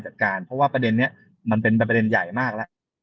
จัดการเพราะว่าประเด็นนี้มันเป็นประเด็นใหญ่มากแล้ว